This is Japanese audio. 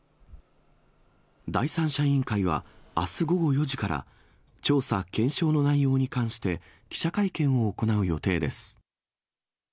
第三者委員会はあす午後４時から、調査・検証の内容に関して記者会見を行う予定です。